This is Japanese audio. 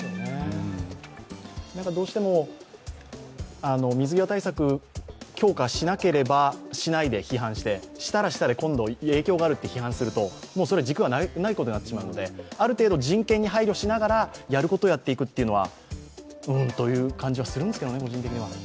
どうしても水際対策を強化しなければしないで批判して、したらしたで今度、影響があると批判すると、それは軸がないことになってしまうのである程度、人権に配慮しながらやることをやっていくのはいいと個人的には思うんですけどね。